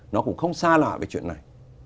nó cũng không xa lạ về chuyện này